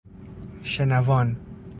شنوان